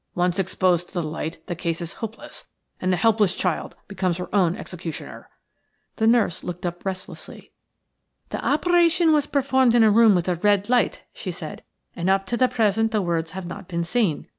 Once exposed to the light the case is hopeless, and the helpless child becomes her own executioner." The nurse looked up restlessly. "The operation was performed in a room with a red light," she said, "and up to the present the words have not been seen.